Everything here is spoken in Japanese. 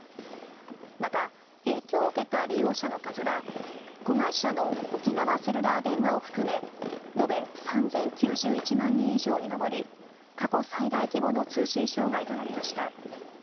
また影響を受けた利用者の数は子会社の沖縄セルラー電話を含め延べ３０９１万人以上に上り過去最大規模の通信障害となりました。